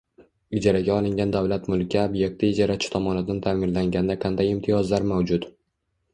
Ijaraga olingan davlat mulki ob’ekti ijarachi tomonidan ta’mirlanganda qanday imtiyozlar mavjud?